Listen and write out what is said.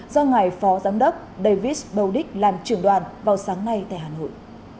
do ngài phó giám đốc david boudic làm trưởng đoàn vào sáng nay tại hà nội